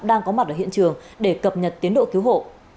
đang có mặt ở hiện trường để cập nhật tiến độ cứu hộ